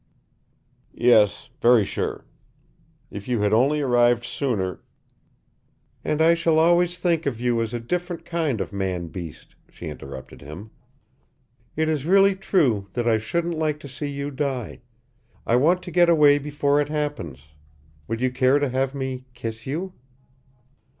"Yes, very sure. If you had only arrived sooner " "And I shall always think of you as a different kind of man beast," she interrupted him. "It is really true that I shouldn't like to see you die. I want to get away before it happens. Would you care to have me kiss you?"